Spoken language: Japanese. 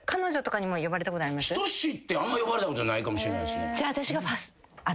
人志ってあんまり呼ばれたことないかもしれないですね。